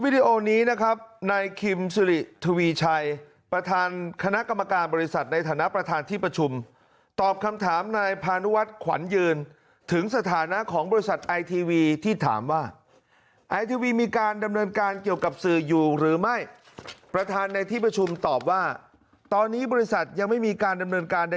ตอนนี้บริษัทยังไม่ได้มีการดำเนินการใดนะครับ